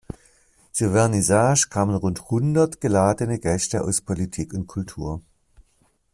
Zur Vernissage kamen rund hundert geladene Gäste aus Politik und Kultur.